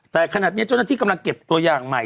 แต่ขนาดเนี่ยจนที่กำลังเก็บตัวอย่างใหม่